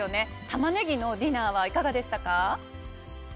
タマネギのディナーはいかがでしたか。